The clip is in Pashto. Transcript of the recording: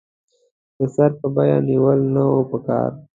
د سر په بیه نېول نه وو پکار.